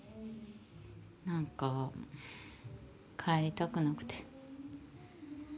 なんか帰りたくなくて。